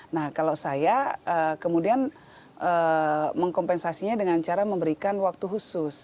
nah kalau saya kemudian mengkompensasinya dengan cara memberikan waktu khusus